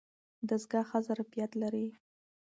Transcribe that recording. دستګاه ښه ظرفیت لري.